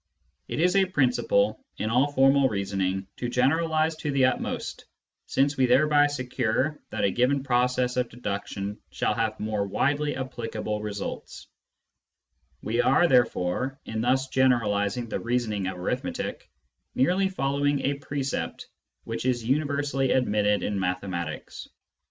It is a principle, in all formal reasoning, to generalise to the utmost, since we thereby secure that a given process of deduction shall have more widely applicable results ; we are, therefore, in thus generalising the reasoning of arithmetic, merely following a precept which is universally admitted in mathematics.